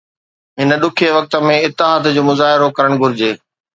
هن ڏکئي وقت ۾ اتحاد جو مظاهرو ڪرڻ گهرجي